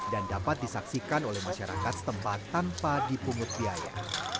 dan dapat disaksikan oleh masyarakat setempat tanpa dipungut biaya